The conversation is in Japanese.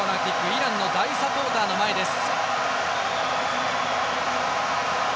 イランの大サポーターの前です。